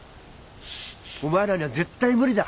お前らには絶対無理だ。